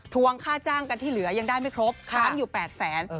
วงค่าจ้างกันที่เหลือยังได้ไม่ครบค้างอยู่๘แสน